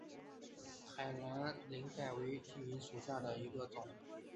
海南鳞盖蕨为姬蕨科鳞盖蕨属下的一个种。